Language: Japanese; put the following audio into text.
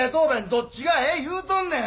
どっちがええ言うとんのや。